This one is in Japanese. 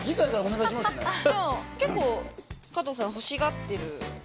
加藤さん、欲しがってる。